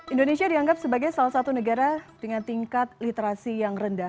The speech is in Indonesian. indonesia dianggap sebagai salah satu negara dengan tingkat literasi yang rendah